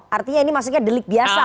artinya ini maksudnya delik biasa